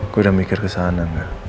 gue udah mikir kesana